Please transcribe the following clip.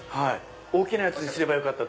大きなやつにすればよかった。